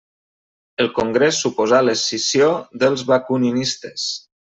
El congrés suposà l'escissió dels bakuninistes.